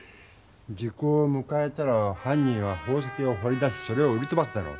時効をむかえたらはん人は宝石をほり出しそれを売りとばすだろう。